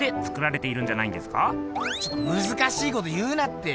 ちょっとむずかしいこと言うなって。